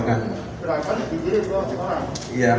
rekan rekan yang di videokan